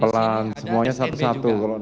berarti berarti berarti berarti berarti berarti